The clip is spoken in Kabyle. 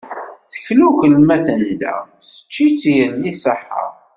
Teklukel ma tenda, tečč-itt yelli ṣṣaḥḥa.